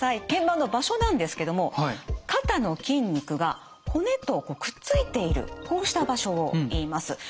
腱板の場所なんですけども肩の筋肉が骨とくっついているこうした場所をいいます。